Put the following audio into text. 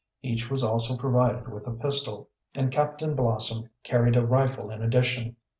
Each was also provided with a pistol, and Captain Blossom carried a rifle in addition.